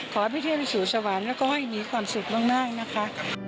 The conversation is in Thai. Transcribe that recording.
ขอให้พี่เที่ยวไปสู่สวรรค์แล้วก็ให้มีความสุขมากนะคะ